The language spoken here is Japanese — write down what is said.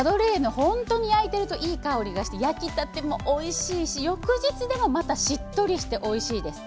本当に焼いているといい香りがして焼きたてもおいしいし翌日でも、またしっとりしておいしいです。